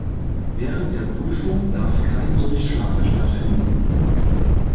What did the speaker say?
Während der Prüfung darf kein Durchschlag stattfinden.